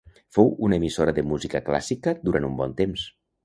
Fou una emissora de música clàssica durant un bon temps.